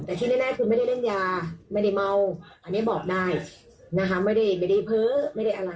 แต่ที่แน่คือไม่ได้เล่นยาไม่ได้เมาอันนี้บอกได้นะคะไม่ได้เพ้อไม่ได้อะไร